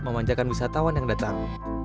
memanjakan wisatawan yang datang